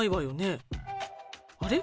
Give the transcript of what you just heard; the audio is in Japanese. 「あれ？